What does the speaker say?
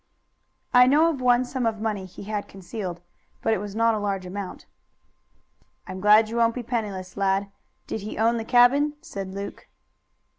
"I know of one sum of money he had concealed, but it was not a large amount." "I'm glad you won't be left penniless, lad; did he own the cabin?" said Luke.